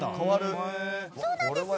そうなんです。